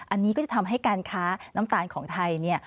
อันนี้ก็จะทำให้การค้าน้ำตาลของไทยเนี่ย